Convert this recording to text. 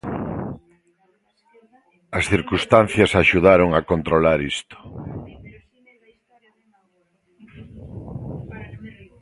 As circunstancias axudaron a controlar isto.